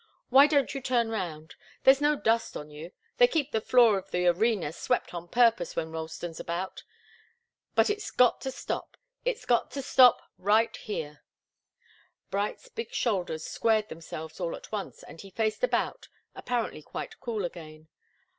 Why don't you turn round? There's no dust on you they keep the floor of the arena swept on purpose when Ralston's about. But it's got to stop it's got to stop right here." Bright's big shoulders squared themselves all at once and he faced about, apparently quite cool again.